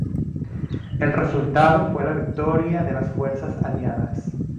El resultado fue la victoria de las fuerzas aliadas.